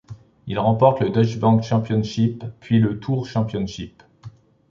Il remporte le Deutsche Bank Championship puis le Tour Championship.